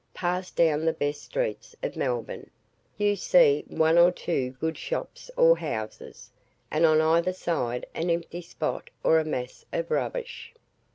Pass down the best streets of Melbourne: you see one or two good shops or houses, and on either side an empty spot or a mass of rubbish.